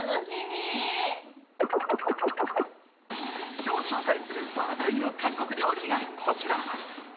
今日紹介する話題の韓国料理がこちら！